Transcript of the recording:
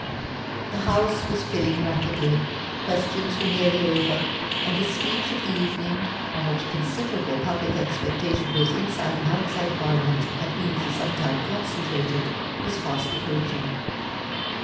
The House was filling rapidly. Questions were nearly over, and the speech of the evening, on which considerable public expectation both inside and outside Parliament had been for some time concentrated, was fast approaching.